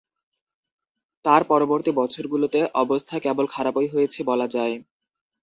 তার পরবর্তী বছরগুলোতে অবস্থা কেবল খারাপই হয়েছে বলা যায়।